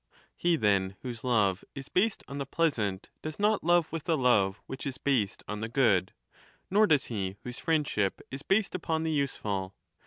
He, then, whose love is based on the pleasant does not love with the love which is based on the good, nor does he whose friendship is based upon the useful.